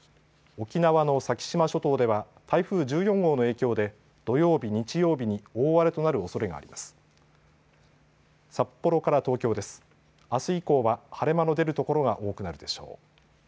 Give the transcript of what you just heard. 沖縄の先島諸島では台風１４号の影響で土曜日、日曜日に大荒れとなるおそれがあります。